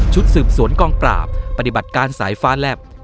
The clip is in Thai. สืบสวนกองปราบปฏิบัติการสายฟ้าแลบ